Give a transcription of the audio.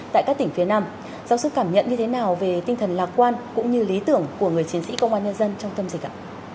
tại các tỉnh phía nam giáo sư cảm nhận như thế nào về tinh thần lạc quan cũng như lý tưởng của người chiến sĩ công an nhân dân trong tâm dịch ạ